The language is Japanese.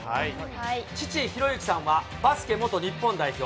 父、啓之さんは、バスケ元日本代表。